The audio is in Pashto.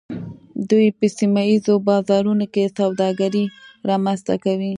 دوی په سیمه ایزو بازارونو کې سوداګري رامنځته کوي